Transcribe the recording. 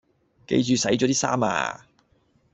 記住洗咗啲衫呀